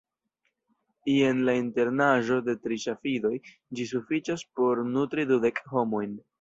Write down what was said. Jen la internaĵo de tri ŝafidoj: ĝi sufiĉas por nutri dudek homojn.